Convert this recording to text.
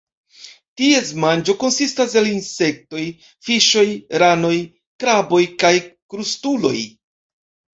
Ties manĝo konsistas el insektoj, fiŝoj, ranoj, kraboj kaj krustuloj.